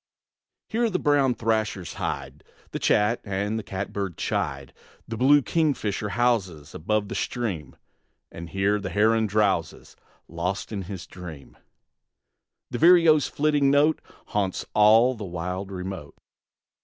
Here the brown thrashers hide, The chat and cat bird chide; The blue kingfisher houses Above the stream, And here the heron drowses Lost in his dream; The vireo's flitting note Haunts all the wild remote.